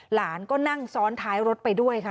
หลานก็นั่งซ้อนท้ายรถไปด้วยค่ะ